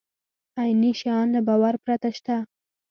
عیني شیان له باور پرته شته.